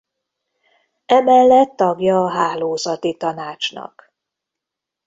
Emellett tagja a Hálózati Tanácsnak.